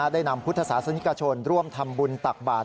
ได้นำพุทธศาสนิกชนร่วมทำบุญตักบาท